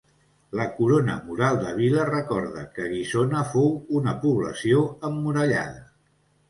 La corona mural de vila recorda que Guissona fou una població emmurallada.